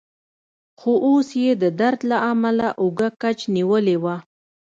خو اوس يې د درد له امله اوږه کج نیولې وه.